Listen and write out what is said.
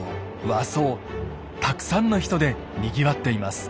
和装たくさんの人でにぎわっています。